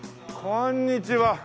こんにちは。